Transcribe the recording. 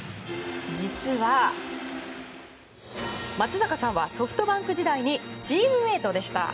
実は、松坂さんはソフトバンク時代にチームメートでした。